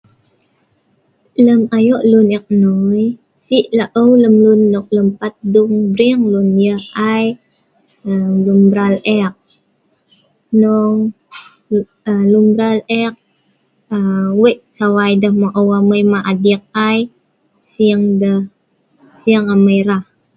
Lem ayo' luen ek nnoi, se'la'ew pat luen brrieng ,luen mbral ek, luen mbral ek a...Wei sawai deh ma'ew amai, amai ma' adik AI sing deh, seeing amai rah.